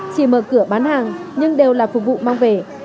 chỉ mở cửa bán hàng nhưng đều là phục vụ mang về